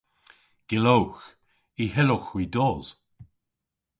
Gyllowgh. Y hyllowgh hwi dos.